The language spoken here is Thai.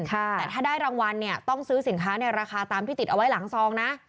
แต่ถ้าได้รางวัลเนี่ยต้องซื้อสินค้าในราคาตามที่ติดเอาไว้หลังซองนะ